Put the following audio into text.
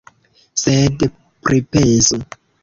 Sed pripensu.